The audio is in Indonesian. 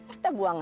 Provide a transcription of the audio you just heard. kita buang aja